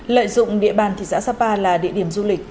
lợi dụng địa bàn thị xã sapa là địa điểm du lịch